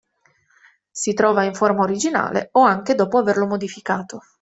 Si trova in forma originale o anche dopo averlo modificato.